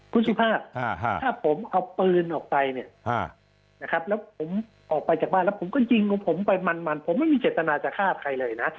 คุณสุภาพถ้าผมเอาปืนออกไปเนี่ยนะครับแล้วผมออกไปจากบ้านแล้วผมก็ยิงของผมไปมันผมไม่มีเจตนาจะฆ่าใครเลยนะ